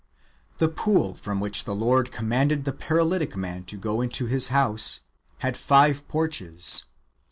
The pool from which the Lord commanded the paralytic man to go into his house, had five porches.